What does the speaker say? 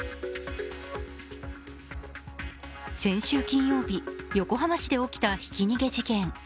先週金曜日、横浜市で起きたひき逃げ事件。